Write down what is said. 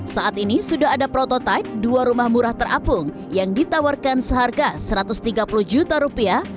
saat ini sudah ada prototipe dua rumah murah terapung yang ditawarkan seharga satu ratus tiga puluh juta rupiah